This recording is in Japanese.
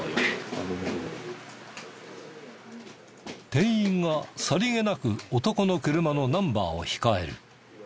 店員がさりげなく男の車のナンバーを控える。